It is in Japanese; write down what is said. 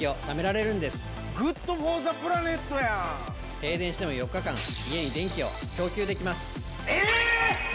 停電しても４日間家に電気を供給できます！